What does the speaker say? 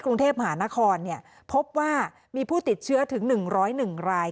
กรุงเทพฯหานครเนี่ยพบว่ามีผู้ติดเชื้อถึงหนึ่งร้อยหนึ่งราย